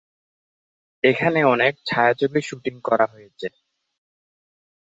এখানে অনেক ছায়াছবির শুটিং করা হয়েছে।